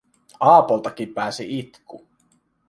Aapoltakin pääsi itku.